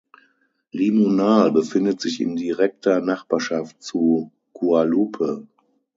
Limonal befindet sich in direkter Nachbarschaft zu Guallupe.